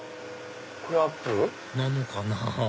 これアップル？なのかな？